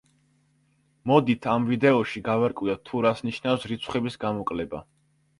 მოდით, ამ ვიდეოში გავარკვიოთ, თუ რას ნიშნავს რიცხვების გამოკლება.